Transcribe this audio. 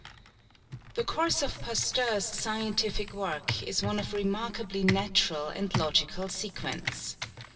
] The course of Pasteur's scientific work is one of remarkably natural and logical sequence.